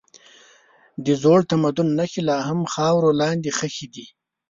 د زوړ تمدن نښې لا هم خاورو لاندې ښخي دي.